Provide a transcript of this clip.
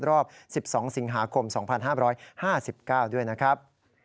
รอบ๑๒สิงหาคม๒๕๕๙ด้วยนะครับ